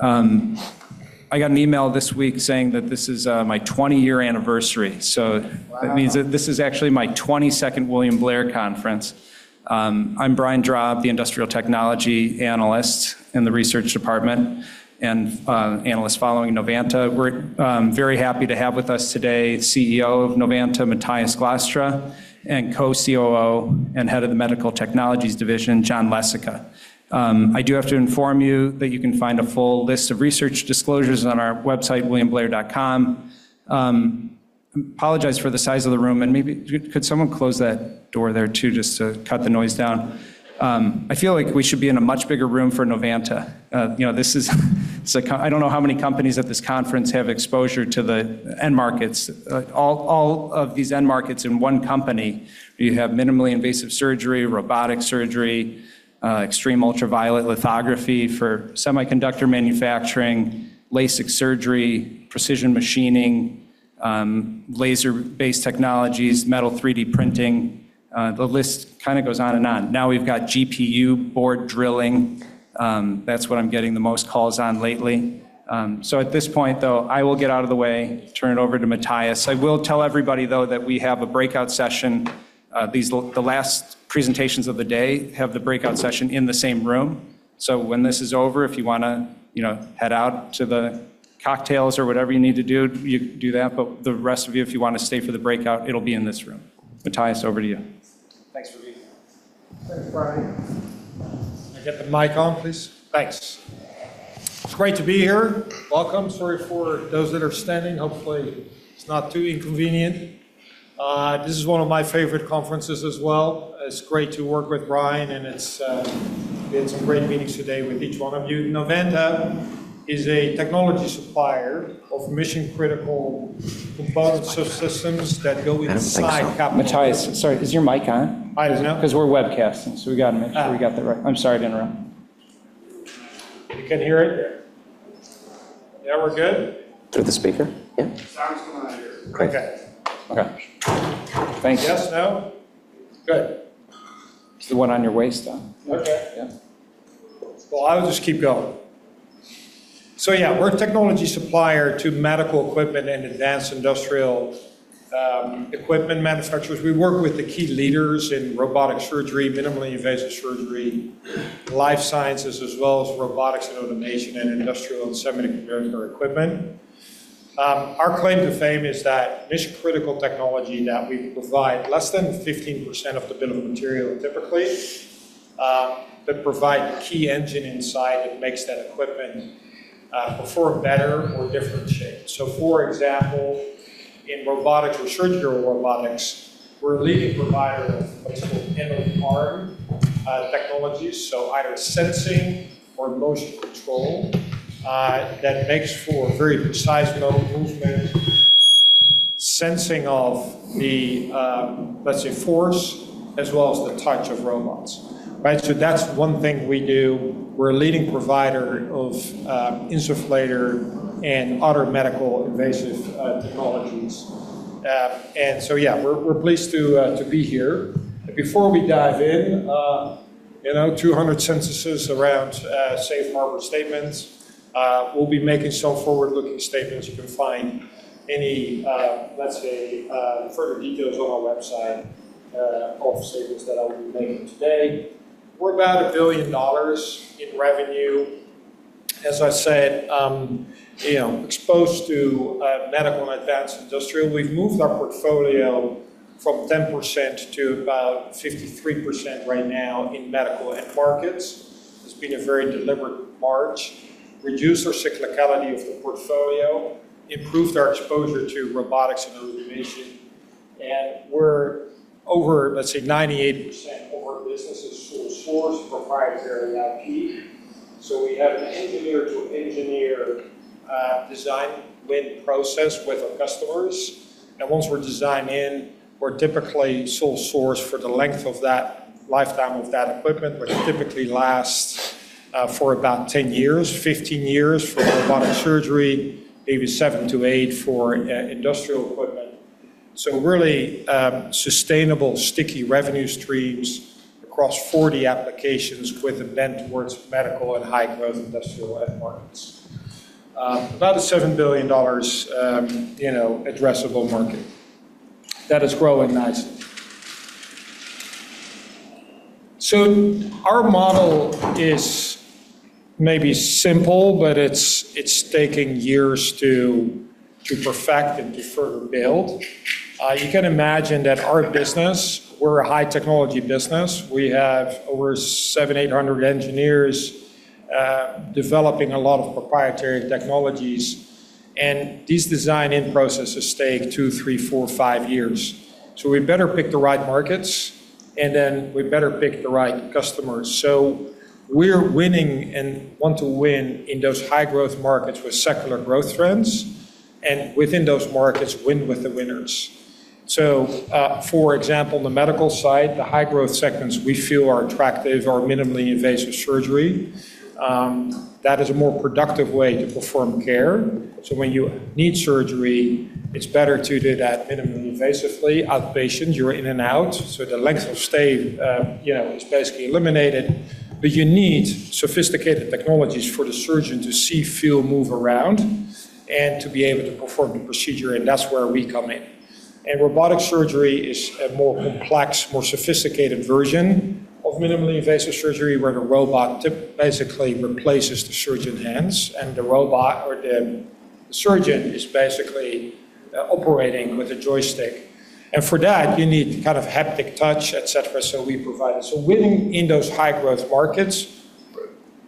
I got an email this week saying that this is my 20-year anniversary. Wow. That means that this is actually my 22nd William Blair Conference. I'm Brian Drab, the industrial technology analyst in the research department, and analyst following Novanta. We're very happy to have with us today CEO of Novanta, Matthijs Glastra, and co-COO and head of the medical technologies division, John Lesica. I do have to inform you that you can find a full list of research disclosures on our website, williamblair.com. I apologize for the size of the room, and maybe could someone close that door there too just to cut the noise down? I feel like we should be in a much bigger room for Novanta. I don't know how many companies at this conference have exposure to the end markets. All of these end markets in one company. You have minimally invasive surgery, robotic surgery, extreme ultraviolet lithography for semiconductor manufacturing, LASIK surgery, precision machining, laser-based technologies, metal 3D printing. The list kind of goes on and on. We've got GPU board drilling. That's what I'm getting the most calls on lately. At this point, though, I will get out of the way, turn it over to Matthijs. I will tell everybody, though, that we have a breakout session. The last presentations of the day have the breakout session in the same room. When this is over, if you want to head out to the cocktails or whatever you need to do, you do that. The rest of you, if you want to stay for the breakout, it'll be in this room. Matthijs, over to you. Thanks for being here. Thanks, Brian. Can I get the mic on, please? Thanks. It's great to be here. Welcome. Sorry for those that are standing. Hopefully, it's not too inconvenient. This is one of my favorite conferences as well. It's great to work with Brian, and it's been some great meetings today with each one of you. Novanta is a technology supplier of mission-critical component subsystems that go inside- Matthijs, sorry, is your mic on? Mic is not. We're webcasting, so we got to make sure we got the right. I'm sorry to interrupt. You can hear it? Yeah, we're good? Through the speaker? Yeah. Sound's coming out of here. Okay. Okay. Thank you. Yes? No? Good. It's the one on your waist on. Okay. Yeah. I'll just keep going. Yeah, we're a technology supplier to medical equipment and advanced industrial equipment manufacturers. We work with the key leaders in robotic surgery, minimally invasive surgery, life sciences, as well as robotics and automation and industrial and semiconductor equipment. Our claim to fame is that mission-critical technology that we provide, less than 15% of the bill of material typically, but provide the key engine inside that makes that equipment perform better or different shape. For example, in robotics or surgical robotics, we're a leading provider of what's called end-of-arm technologies. Either sensing or motion control that makes for very precise motion movement, sensing of the, let's say, force, as well as the touch of robots. That's one thing we do. We're a leading provider of insufflator and other medical invasive technologies. Yeah, we're pleased to be here. Before we dive in, 200 sentences around safe harbor statements. We'll be making some forward-looking statements. You can find any further details on our website of statements that I'll be making today. We're about $1 billion in revenue. As I said, exposed to medical and advanced industrial. We've moved our portfolio from 10% to about 53% right now in medical end markets. It's been a very deliberate march. Reduced our cyclicality of the portfolio. Improved our exposure to robotics and automation. We're over, let's say, 98% of our business is sole source proprietary IP. We have an engineer-to-engineer design win process with our customers, and once we're designed in, we're typically sole source for the lifetime of that equipment, which typically lasts for about 10 years, 15 years for robotic surgery, maybe 7-8 for industrial equipment. Really, sustainable, sticky revenue streams across 40 applications with a bent towards medical and high-growth industrial end markets. About a $7 billion addressable market that is growing nicely. Our model is maybe simple, but it's taking years to perfect and to further build. You can imagine that our business, we're a high-technology business. We have over 700, 800 engineers developing a lot of proprietary technologies, and these design-in processes take two, three, four, five years. We better pick the right markets, and then we better pick the right customers. We're winning and want to win in those high-growth markets with secular growth trends, and within those markets, win with the winners. For example, the medical side, the high-growth segments we feel are attractive are minimally invasive surgery. That is a more productive way to perform care. When you need surgery, it's better to do that minimally invasively. Outpatients, you're in and out, so the length of stay is basically eliminated. You need sophisticated technologies for the surgeon to see, feel, move around. To be able to perform the procedure, and that's where we come in. Robotic surgery is a more complex, more sophisticated version of minimally invasive surgery, where the robot basically replaces the surgeon hands, and the robot or the surgeon is basically operating with a joystick. For that you need haptic touch, et cetera. We provide it. Winning in those high growth markets,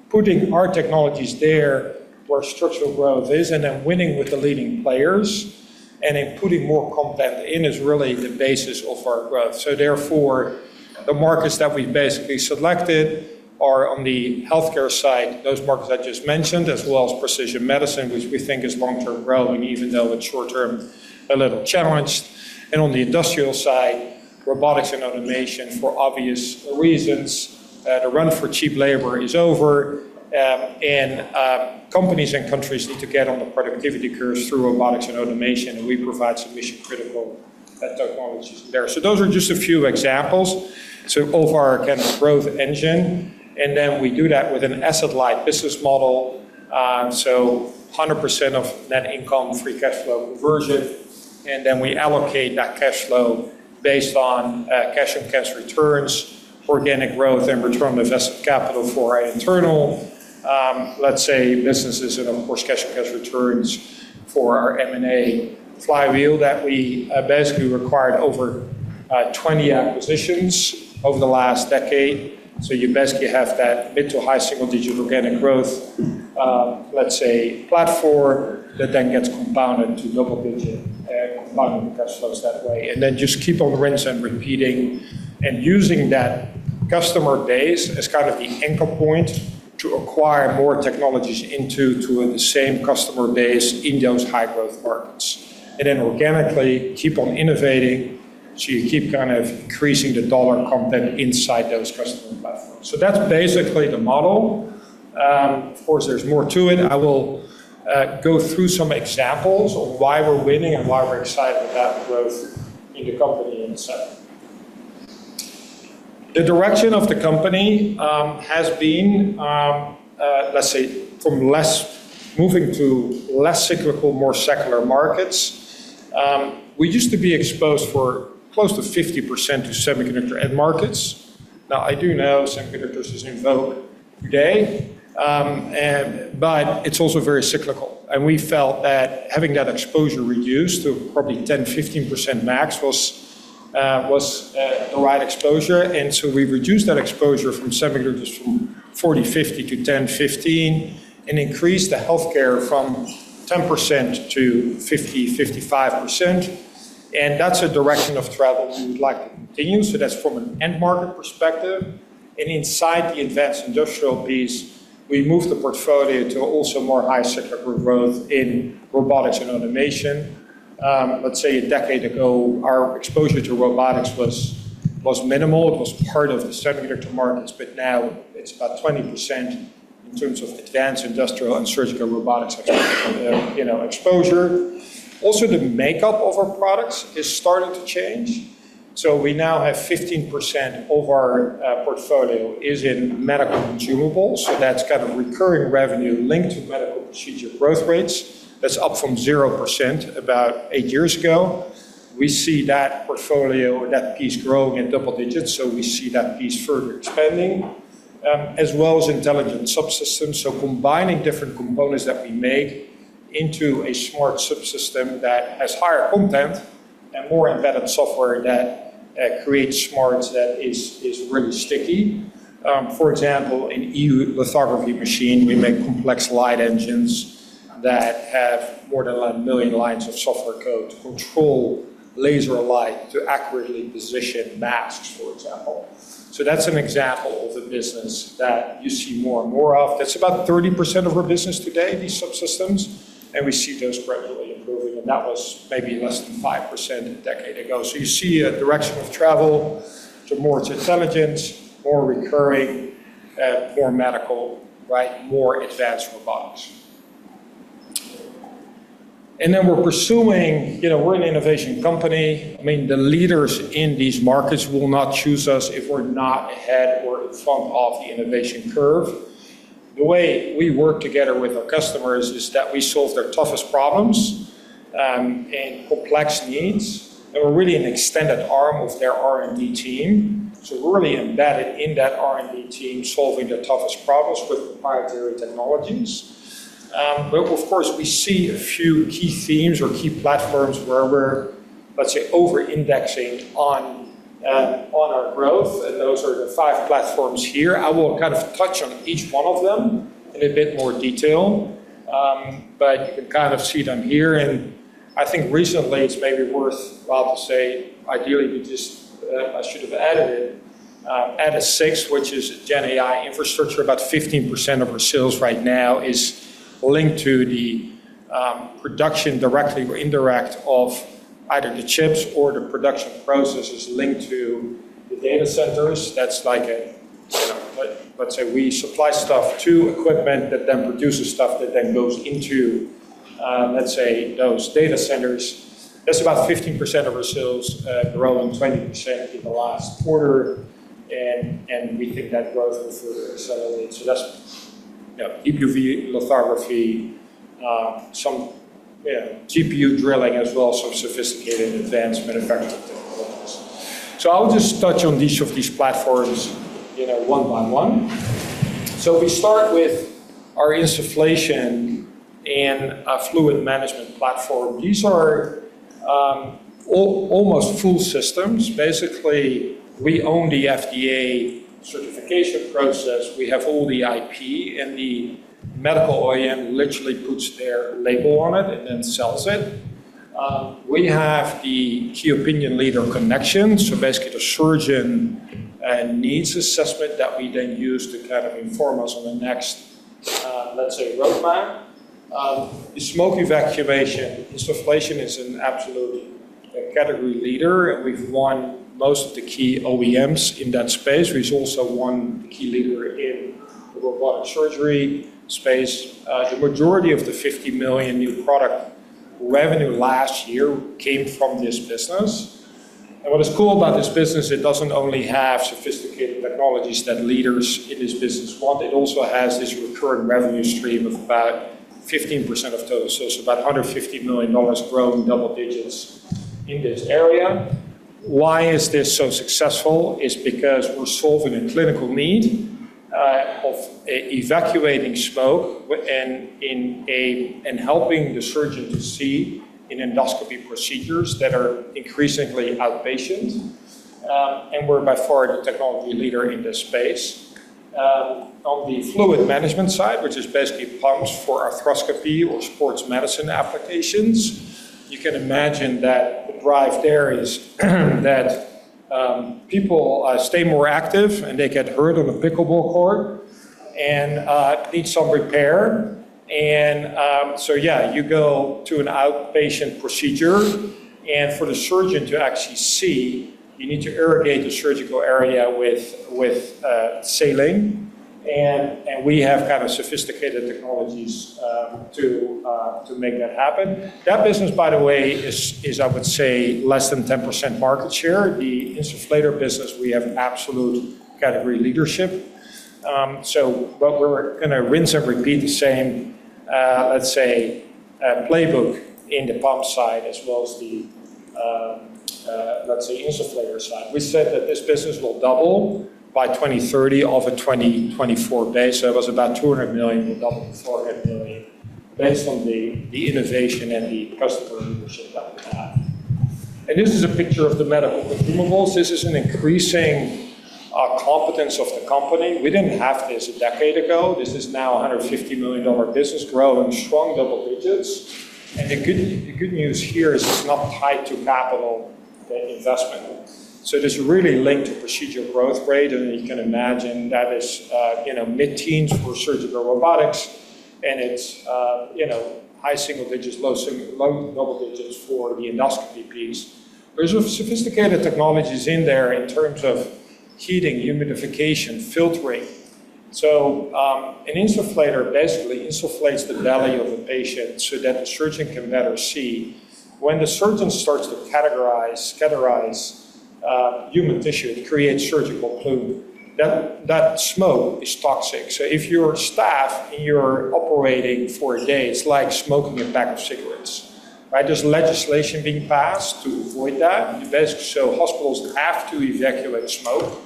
putting our technologies there where structural growth is, and then winning with the leading players, and then putting more content in is really the basis of our growth. Therefore, the markets that we basically selected are on the healthcare side, those markets I just mentioned, as well as precision medicine, which we think is long-term relevant even though it's short-term a little challenged. On the industrial side, robotics and automation, for obvious reasons. The run for cheap labor is over, and companies and countries need to get on the productivity curves through robotics and automation, and we provide some mission critical technologies there. Those are just a few examples of our growth engine. Then we do that with an asset-light business model. 100% of net income, free cash flow conversion, and then we allocate that cash flow based on cash-on-cash returns, organic growth, and return on invested capital for our internal, let's say, businesses. Of course, cash-on-cash returns for our M&A flywheel that we basically acquired over 20 acquisitions over the last decade. You basically have that mid to high single-digit organic growth, let's say platform, that then gets compounded to double-digit and compounding the cash flows that way. Just keep on rinse and repeat, and using that customer base as the anchor point to acquire more technologies into the same customer base in those high growth markets. Organically keep on innovating, so you keep increasing the dollar content inside those customer platforms. That's basically the model. Of course, there's more to it. I will go through some examples of why we're winning and why we're excited with that growth in the company. The direction of the company has been, let's say from moving to less cyclical, more secular markets. We used to be exposed for close to 50% to semiconductor end markets. Now, I do know semiconductors is in vogue today. It's also very cyclical, and we felt that having that exposure reduced to probably 10%, 15% max was the right exposure. We've reduced that exposure from semiconductors from 40%, 50% to 10%, 15%, and increased the healthcare from 10% to 50%, 55%. That's a direction of travel we would like to continue. That's from an end market perspective. Inside the advanced industrial piece, we moved the portfolio to also more high cyclical growth in robotics and automation. Let's say a decade ago, our exposure to robotics was minimal. It was part of the semiconductor to markets, but now it's about 20% in terms of advanced industrial and surgical robotics exposure. Also, the makeup of our products is starting to change. We now have 15% of our portfolio is in medical consumables. That's kind of recurring revenue linked to medical procedure growth rates. That's up from 0% about eight years ago. We see that portfolio or that piece growing at double digits, so we see that piece further expanding, as well as intelligent subsystems. Combining different components that we make into a smart subsystem that has higher content and more embedded software that creates smarts that is really sticky. For example, an EUV lithography machine, we make complex light engines that have more than a million lines of software code to control laser light to accurately position masks, for example. That's an example of a business that you see more and more of. That's about 30% of our business today, these subsystems, and we see those rapidly improving, and that was maybe less than 5% a decade ago. You see a direction of travel to more systems intelligence, more recurring, more medical, more advanced robotics. We're an innovation company. The leaders in these markets will not choose us if we're not ahead or on top of the innovation curve. The way we work together with our customers is that we solve their toughest problems and complex needs. We're really an extended arm of their R&D team. We're really embedded in that R&D team, solving the toughest problems with proprietary technologies. Of course, we see a few key themes or key platforms where we're, let's say, over-indexing on our growth, and those are the five platforms here. I will touch on each one of them in a bit more detail. You can kind of see them here, and I think recently it's maybe worthwhile to say ideally, I should have added six, which is GenAI infrastructure. About 15% of our sales right now is linked to the production directly or indirectly of either the chips or the production processes linked to the data centers. Let's say we supply stuff to equipment that then produces stuff that then goes into, let's say, those data centers. That's about 15% of our sales growing 20% in the last quarter, and we think that growth will further accelerate. That's EUV lithography, some GPU drilling as well, sophisticated advanced manufacturing technologies. I'll just touch on each of these platforms one by one. We start with our insufflation and fluid management platform. These are almost full systems. Basically, we own the FDA certification process. We have all the IP, the medical OEM literally puts their label on it and then sells it. We have the key opinion leader connection, so basically the surgeon needs assessment that we then use to kind of inform us on the next, let's say, roadmap. The smoke evacuation, insufflation is an absolute category leader, and we've won most of the key OEMs in that space. We've also won the key leader in the robotic surgery space. The majority of the $50 million new product revenue last year came from this business, and what is cool about this business, it doesn't only have sophisticated technologies that leaders in this business want, it also has this recurring revenue stream of about 15% of total. It's about $150 million growing double digits in this area. Why is this so successful? It's because we're solving a clinical need of evacuating smoke and helping the surgeon to see in endoscopy procedures that are increasingly outpatient. We're by far the technology leader in this space. On the fluid management side, which is basically pumps for arthroscopy or sports medicine applications, you can imagine that the drive there is that people stay more active, and they get hurt on a pickleball court and need some repair, and so yeah. You go to an outpatient procedure, and for the surgeon to actually see, you need to irrigate the surgical area with saline, and we have kind of sophisticated technologies to make that happen. That business, by the way, is, I would say, less than 10% market share. The insufflator business, we have absolute category leadership. While we're going to rinse and repeat the same, let's say, playbook in the pump side as well as the, let's say, insufflator side. We said that this business will double by 2030 off of 2024 base. It was about $200 million will double to $400 million based on the innovation and the customer leadership that we have. This is a picture of the medical consumables. This is an increasing competence of the company. We didn't have this a decade ago. This is now $150 million business growing strong double digits. The good news here is it's not tied to capital investment. It is really linked to procedural growth rate, and you can imagine that is mid-teens for surgical robotics, and it's high single digits, low double digits for the endoscopy piece. There's sophisticated technologies in there in terms of heating, humidification, filtering. An insufflator basically insufflates the belly of a patient so that the surgeon can better see. When the surgeon starts to cauterize human tissue, it creates surgical plume. That smoke is toxic. If you're staff and you're operating for a day, it's like smoking a pack of cigarettes, right? There's legislation being passed to avoid that. Hospitals have to evacuate smoke.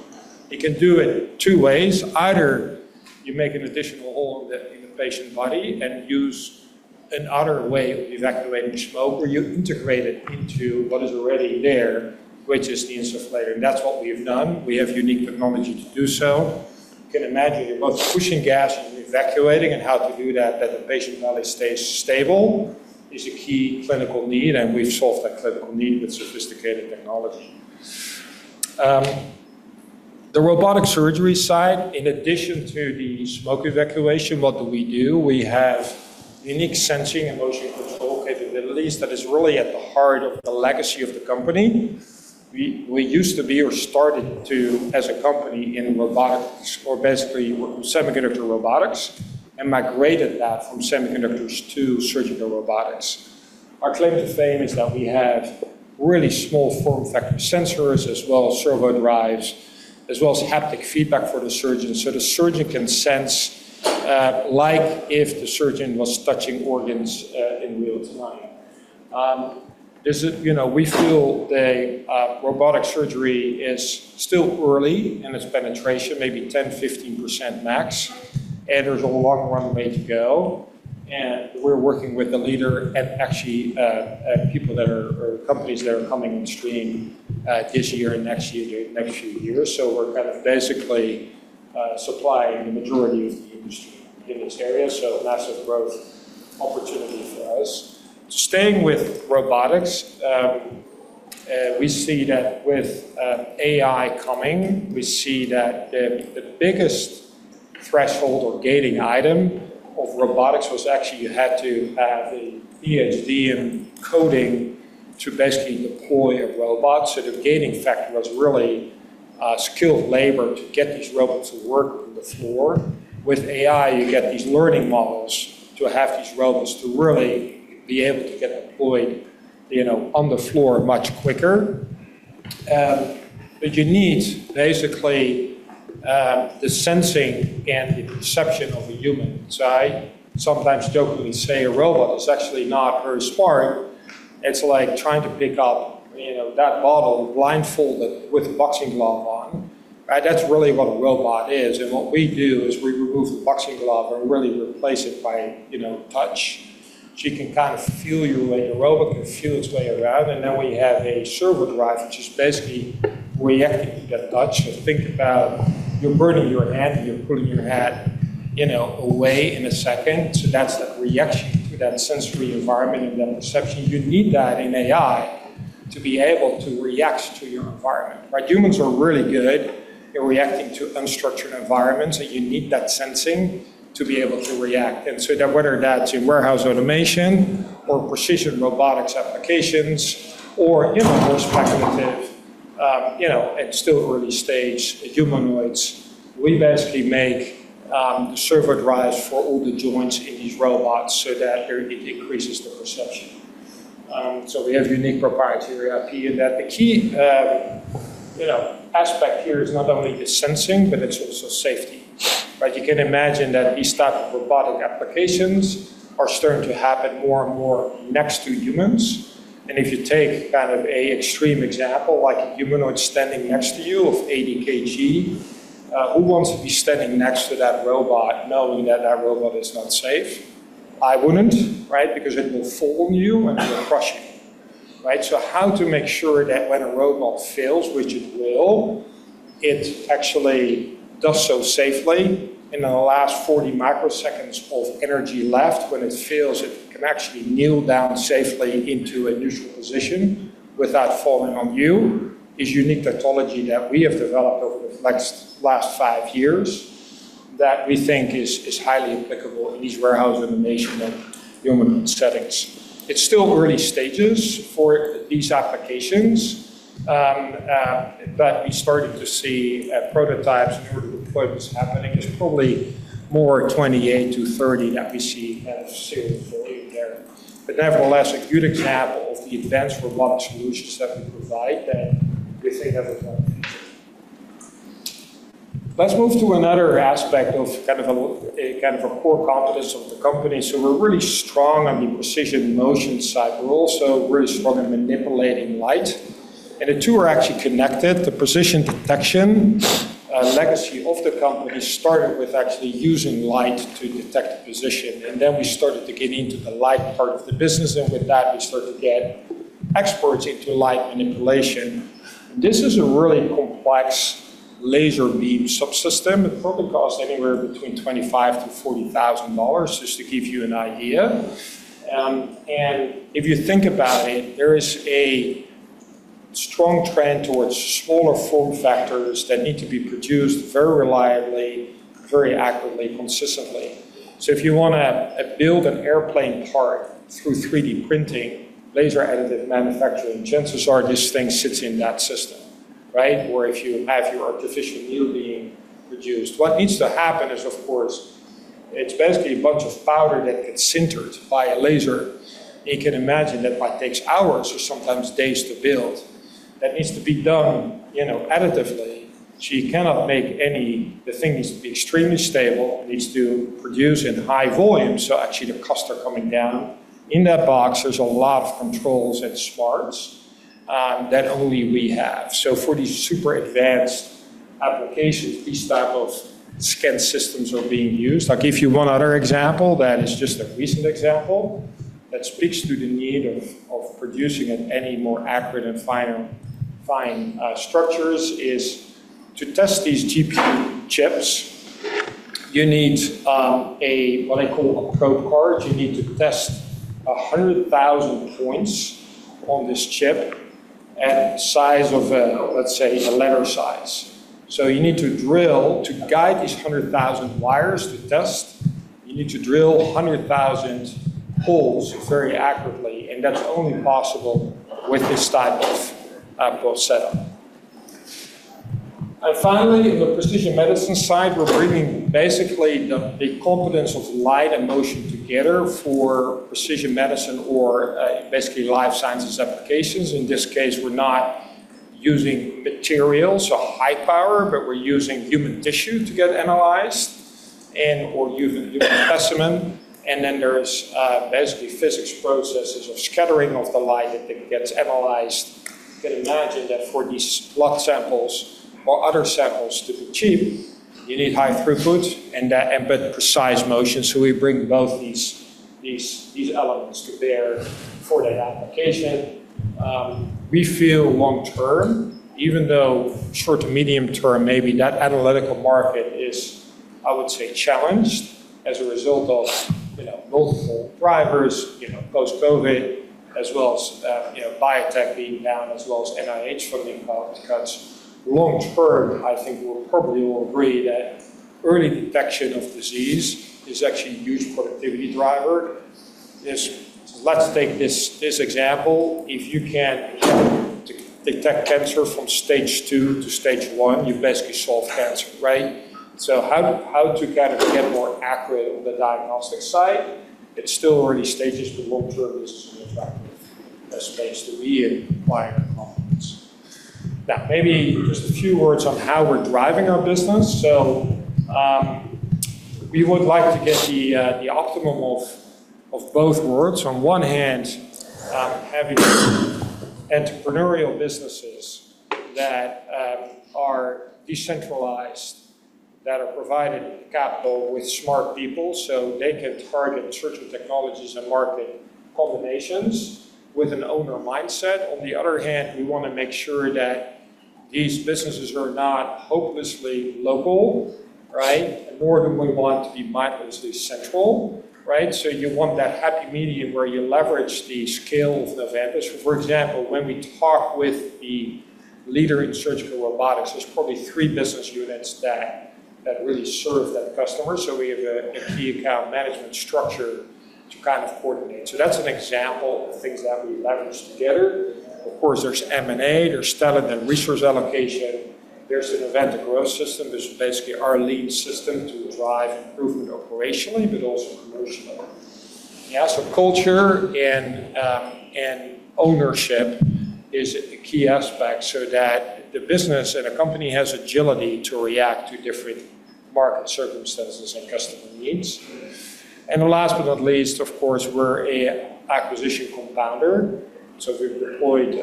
It can do it two ways. Either you make an additional hole in the patient body and use another way of evacuating smoke, or you integrate it into what is already there, which is the insufflator, and that's what we've done. We have unique technology to do so. You can imagine you're both pushing gas and evacuating and how to do that the patient body stays stable is a key clinical need, and we've solved that clinical need with sophisticated technology. The robotic surgery side, in addition to the smoke evacuation, what do we do? We have unique sensing and motion control capabilities that is really at the heart of the legacy of the company. We started as a company in robotics, semiconductors to robotics and migrated that from semiconductors to surgical robotics. Our claim to fame is that we have really small form factor sensors as well as servo drives, as well as haptic feedback for the surgeon. The surgeon can sense like if the surgeon was touching organs in real time. We feel that robotic surgery is still early in its penetration, maybe 10%-15% max, There's a long runway to go, We're working with the leader and actually people that are, or companies that are coming on stream this year and next year, next few years. We're kind of basically supplying the majority of the industry in this area. Massive growth opportunity for us. Staying with robotics, we see that with AI coming, we see that the biggest threshold or gating item of robotics was actually you had to have a PhD in coding to basically deploy a robot. The gating factor was really skilled labor to get these robots to work on the floor. With AI, you get these learning models to have these robots to really be able to get employed on the floor much quicker. You need basically the sensing and the perception of a human. I sometimes jokingly say a robot is actually not very smart. It's like trying to pick up that bottle blindfolded with a boxing glove on. That's really what a robot is. What we do is we remove the boxing glove and really replace it by touch. It can kind of feel your way. A robot can feel its way around, and then we have a servo drive, which is basically reacting to that touch. Think about you're burning your hand and you're pulling your hand away in a second. That's that reaction to that sensory environment and that perception. You need that in AI to be able to react to your environment, right? Humans are really good at reacting to unstructured environments, and you need that sensing to be able to react. Whether that's in warehouse automation or precision robotics applications or more speculative, it's still early stage humanoids. We basically make the servo drives for all the joints in these robots so that it increases the perception. We have unique proprietary IP in that. The key aspect here is not only the sensing, but it's also safety, right? You can imagine that these type of robotic applications are starting to happen more and more next to humans. If you take kind of a extreme example like a humanoid standing next to you of 80 kg, who wants to be standing next to that robot knowing that that robot is not safe? I wouldn't, right? Because it will fall on you, and it will crush you. Right? How to make sure that when a robot fails, which it will, it actually does so safely in the last 40 microseconds of energy left, when it fails, it can actually kneel down safely into a neutral position without falling on you, is unique technology that we have developed over the last five years that we think is highly applicable in these warehouse automation and human settings. It's still early stages for these applications, but we started to see prototypes and deployments happening. It's probably more 2028 to 2030 that we see kind of serious volume there. Nevertheless, a good example of the advanced robotic solutions that we provide that we think have a lot of future. Let's move to another aspect of kind of a core competence of the company. We're really strong on the precision motion side, but also really strong in manipulating light, the two are actually connected. The precision detection legacy of the company started with actually using light to detect position. Then we started to get into the light part of the business, with that we started to get experts into light manipulation. This is a really complex laser beam subsystem. It probably costs anywhere between $25,000 to $40,000, just to give you an idea. If you think about it, there is a strong trend towards smaller form factors that need to be produced very reliably, very accurately, consistently. If you want to build an airplane part through 3D printing, laser additive manufacturing, chances are this thing sits in that system, right? If you have your artificial knee being produced. What needs to happen is, of course, it is basically a bunch of powder that gets sintered by a laser. You can imagine that what takes hours or sometimes days to build, that needs to be done additively. You cannot make. The thing needs to be extremely stable, needs to produce in high volume, so actually the costs are coming down. In that box, there is a lot of controls and smarts that only we have. For these super advanced applications, these type of scan systems are being used. I will give you one other example that is just a recent example that speaks to the need of producing at any more accurate and fine structures, is to test these GPU chips, you need what I call a probe card. You need to test 100,000 points on this chip at size of, let us say, a letter size. You need to drill to guide these 100,000 wires to test. You need to drill 100,000 holes very accurately, and that's only possible with this type of probe setup. Finally, on the precision medicine side, we're bringing basically the competence of light and motion together for precision medicine or basically life sciences applications. In this case, we're not using materials or high power, but we're using human tissue to get analyzed and/or human specimen. There's basically physics processes of scattering of the light that gets analyzed. You can imagine that for these blood samples or other samples to be cheap, you need high throughput and precise motion. We bring both these elements to bear for that application. We feel long-term, even though short to medium-term maybe that analytical market is, I would say, challenged as a result of multiple drivers, post-COVID as well as biotech being down, as well as NIH funding cuts. Long-term, I think we probably will agree that early detection of disease is actually a huge productivity driver. Let's take this example. If you can detect cancer from stage 2 to stage 1, you've basically solved cancer, right? How to get more accurate on the diagnostic side, it's still early stages, but long-term, this is an attractive space that we acquire companies. Maybe just a few words on how we're driving our business. We would like to get the optimum of both worlds. On one hand, having entrepreneurial businesses that are decentralized, that are provided with capital with smart people, so they can target certain technologies and market combinations with an owner mindset. On the other hand, we want to make sure that these businesses are not hopelessly local, right? Nor do we want to be mindlessly central, right? You want that happy medium where you leverage the scale of Novanta. For example, when we talk with the leader in surgical robotics, there's probably three business units that really serve that customer. We have a key account management structure to coordinate. That's an example of things that we leverage together. Of course, there's M&A, there's talent and resource allocation. There's a Novanta Growth System. There's basically our lean system to drive improvement operationally, but also promotionally. Culture and ownership is a key aspect so that the business and a company has agility to react to different market circumstances and customer needs. The last but not least, of course, we're a acquisition compounder. We've deployed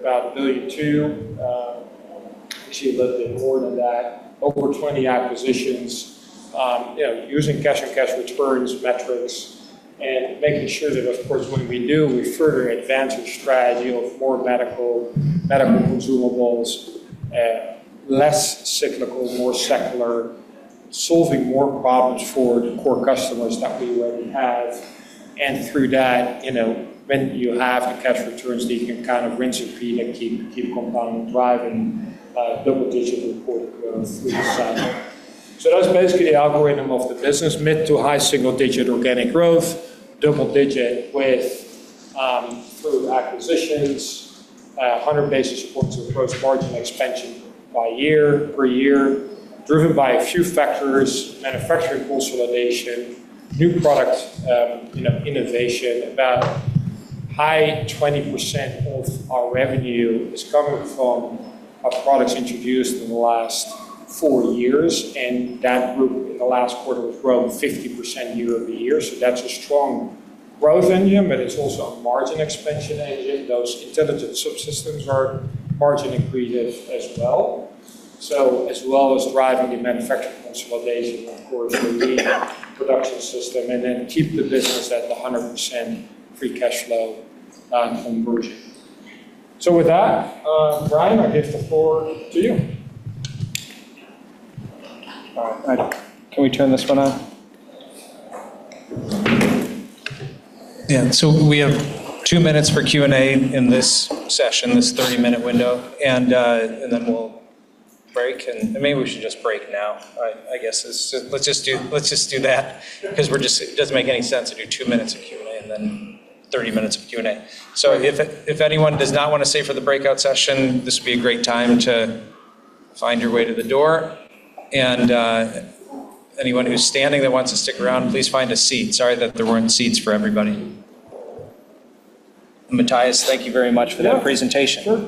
about $1.2 billion, actually a little bit more than that, over 20 acquisitions, using cash-on-cash returns metrics and making sure that, of course, when we do, we further advance our strategy of more medical consumables at less cyclical, more secular, solving more problems for the core customers that we already have. Through that, when you have the cash returns that you can kind of rinse and repeat and keep compounding, driving double-digit report growth through the cycle. That's basically the algorithm of the business, mid to high single-digit organic growth, double digit with through acquisitions, 100 basis points of gross margin expansion by year, per year, driven by a few factors, manufacturing consolidation, new product innovation. About high 20% of our revenue is coming from our products introduced in the last four years, and that group in the last quarter has grown 50% year-over-year. That's a strong growth engine, but it's also a margin expansion engine. Those intelligent subsystems are margin accretive as well. As well as driving the manufacturing consolidation, of course, the lean production system, and then keep the business at the 100% free cash flow conversion. With that, Brian, I give the floor to you. All right. Can we turn this one on? Yeah. We have two minutes for Q&A in this session, this 30-minute window, and then we'll break and maybe we should just break now. I guess, let's just do that because it doesn't make any sense to do two minutes of Q&A and then 30 minutes of Q&A. If anyone does not want to stay for the breakout session, this would be a great time to find your way to the door, and anyone who's standing that wants to stick around, please find a seat. Sorry that there weren't seats for everybody. Matthijs, thank you very much for that presentation.